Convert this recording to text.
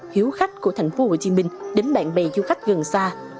hiếu khách của tp hcm đến bạn bè du khách gần xa